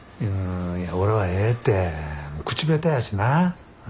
いや俺はええて口下手やしな。